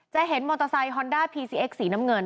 จะเห็นมอเตอร์ไซค์ฮอนด้าพีซีเอ็กสีน้ำเงิน